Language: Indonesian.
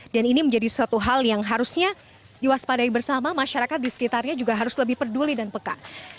dan ini menjadi suatu hal yang harusnya diwaspadai bersama masyarakat di sekitarnya juga harus lebih peduli dan peka